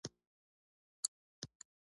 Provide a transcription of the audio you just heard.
هغه د نجلۍ خوا ته په ډېرې غصې ور روان شو.